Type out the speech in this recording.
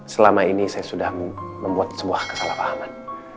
selama ini saya sudah membuat sebuah kesalahpahaman